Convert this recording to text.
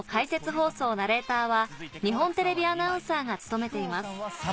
放送ナレーターは日本テレビアナウンサーが務めています